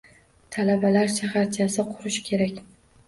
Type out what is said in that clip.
Talabalar shaharchasi qurish kerak.